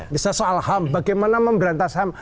misalnya soal ham bagaimana memberantas ham